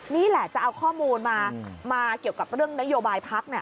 นี่แหละจะเอาข้อมูลมาเกี่ยวกับเรื่องนโยบายพัก